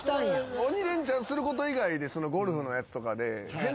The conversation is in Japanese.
鬼レンチャンすること以外でゴルフのやつとかで。